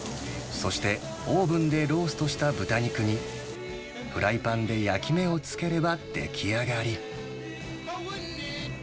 そして、オーブンでローストした豚肉に、フライパンで焼き目をつければ出来上がり。